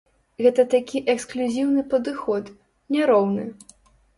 Гэта такі эксклюзіўны падыход, няроўны!